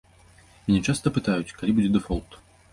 Мяне часта пытаюць, калі будзе дэфолт.